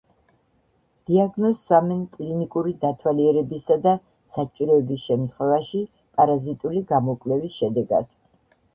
დიაგნოზს სვამენ კლინიკური დათვალიერებისა და, საჭიროების შემთხვევაში, პარაზიტული გამოკვლევის შედეგად.